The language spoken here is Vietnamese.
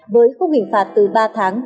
với khúc hình phạt từ ba tháng